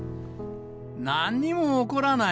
なんにも怒らない。